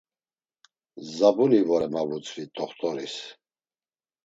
Zabuni vore, ma vutzvi t̆oxt̆oris.